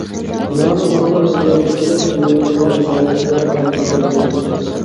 نامىنى ئاڭلاپ بۇ يەرگە كېلىپ يۇيۇنىدىغان ساياھەتچىلەرنىڭ ئايىغى ئۈزۈلمەيدۇ.